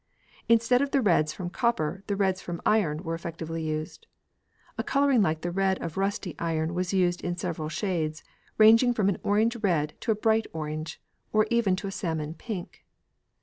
Instead of the reds from copper the reds from iron were effectively used. A colouring like the red of rusty iron was used in several shades, ranging from an orange red to a bright orange, or even to a salmon pink.